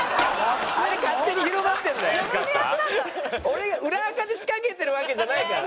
俺が裏アカで仕掛けてるわけじゃないから。